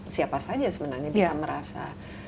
siapa saja sebenarnya bisa merasa